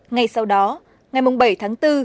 ngày sau đó ngày bảy tháng bốn